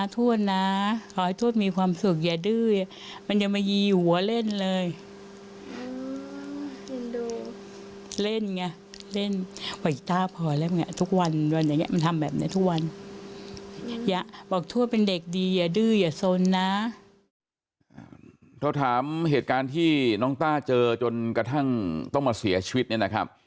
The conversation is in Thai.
ตอบถามเหตุการณ์น้องต่าเจอจนกระทั่งต้องเสียชีวิตนะครับ